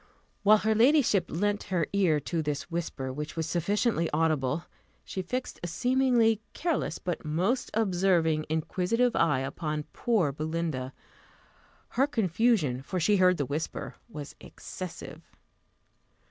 Whilst her ladyship leant her ear to this whisper, which was sufficiently audible, she fixed a seemingly careless, but most observing, inquisitive eye upon poor Belinda. Her confusion, for she heard the whisper, was excessive.